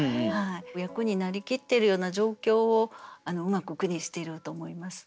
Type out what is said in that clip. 役になりきってるような状況をうまく句にしていると思います。